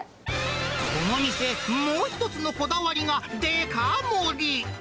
この店もう一つのこだわりがでか盛り。